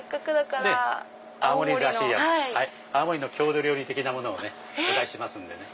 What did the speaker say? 青森の郷土料理的なものをお出ししますんでね。